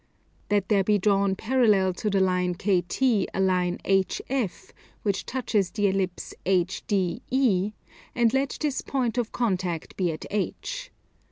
Let there be drawn parallel to the line KT a line HF which touches the Ellipse HDE, and let this point of contact be at H.